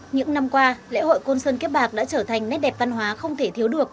những năm qua lễ hội côn sơn kiếp bạc đã trở thành nét đẹp văn hóa không thể thiếu được